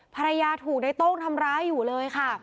ภรรยาถูกในโต้งทำร้ายอยู่เลยค่ะ